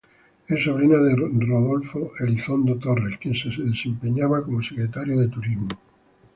Es sobrina de Rodolfo Elizondo Torres, quien se desempeñaba como Secretario de Turismo.